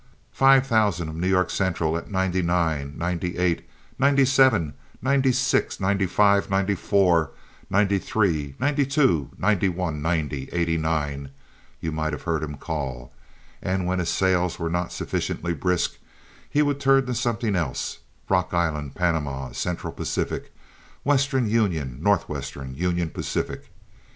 "Five thousand of New York Central at ninety nine, ninety eight, ninety seven, ninety six, ninety five, ninety four, ninety three, ninety two, ninety one, ninety, eighty nine," you might have heard him call; and when his sales were not sufficiently brisk he would turn to something else—Rock Island, Panama, Central Pacific, Western Union, Northwestern, Union Pacific.